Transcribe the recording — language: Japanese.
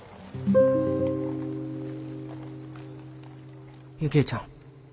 回想雪衣ちゃん。